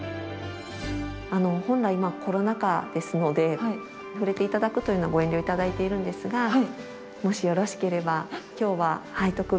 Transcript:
あの本来コロナ禍ですので触れて頂くというのはご遠慮頂いているんですがもしよろしければ今日はえ！いいんですか？